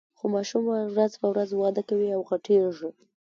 خو ماشوم ورځ په ورځ وده کوي او غټیږي.